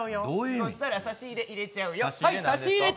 そしたらろう屋に入れちゃうよ。